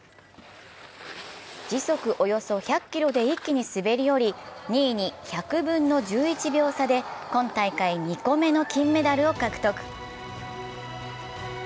時速およそ１００キロで一気に滑り降り、２位に１００分の１１秒差で今大会２個目の金メダルを獲得。